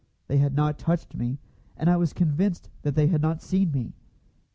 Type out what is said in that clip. They had not touched me, and I was convinced that they had not seen me.